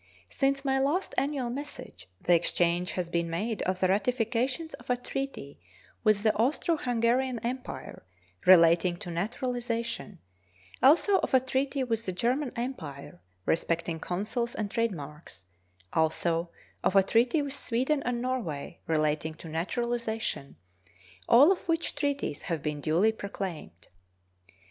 Since my last annual message the exchange has been made of the ratifications of a treaty with the Austro Hungarian Empire relating to naturalization; also of a treaty with the German Empire respecting consuls and trade marks; also of a treaty with Sweden and Norway relating to naturalization; all of which treaties have been duly proclaimed.